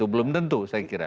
belum tentu saya kira